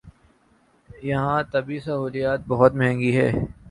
یہاں طبی سہولیات بہت مہنگی ہیں